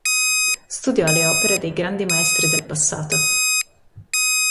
Studiò le opere dei grandi maestri del passato.